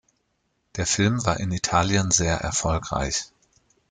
Der Film war in Italien sehr erfolgreich.